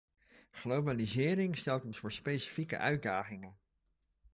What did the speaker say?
Globalisering stelt ons voor specifieke uitdagingen.